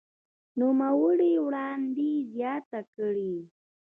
نوموړي وړاندې زياته کړې